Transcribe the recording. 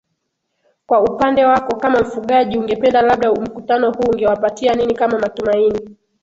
kwa upande wako kama mfugaji ungependa labda mkutano huu ungewapatia nini kama matumaini